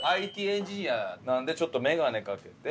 ＩＴエンジニアなんでちょっとメガネかけて。